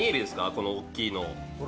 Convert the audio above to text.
このおっきいの。